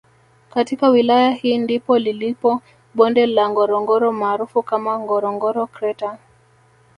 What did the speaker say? Katika wilaya hii ndipo lilipo bonde la Ngorongoro maarufu kama Ngorongoro kreta